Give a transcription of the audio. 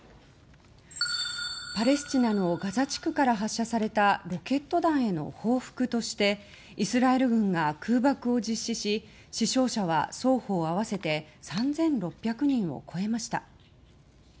パレスチナのガザ地区から発射されたロケット弾への報復としてイスラエル軍が空爆を実施し死傷者は双方合わせて３６００人を超えました。